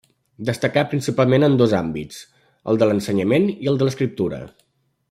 Destacà principalment en dos àmbits: el de l'ensenyament i el de l'escriptura.